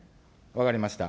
分かりました。